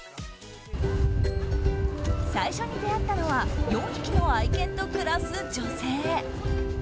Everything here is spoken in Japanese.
最初に出会ったのは４匹の愛犬と暮らす女性。